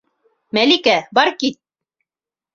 Мәликә, бар кит!